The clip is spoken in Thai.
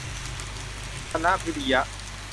ธนพิริยะ